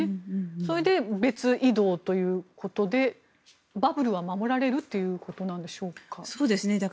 それで別移動ということでバブルは守られるということなんでしょうか？